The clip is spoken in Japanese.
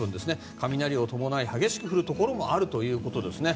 雷を伴い激しく降るところもあるということですね。